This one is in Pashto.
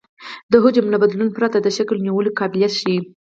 د حجم له بدلون پرته د شکل نیولو قابلیت ښیي